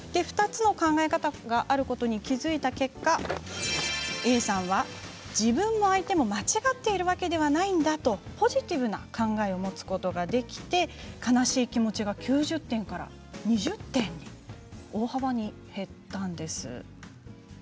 ２つの考え方があることに気付いた結果Ａさんは自分も相手も間違っているわけではないんだとポジティブな考えを持つことができて悲しい気持ちが９０点から２０点に大幅に減ったんです。